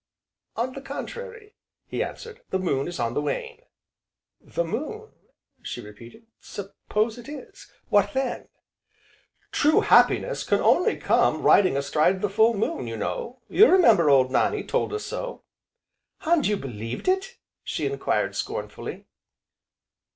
"On the contrary," he answered, "the moon is on the wane!" "The moon!" she repeated, "Suppose it is, what then?" "True happiness can only come riding astride the full moon you know, you remember old Nannie told us so." "And you believed it?" she enquired scornfully.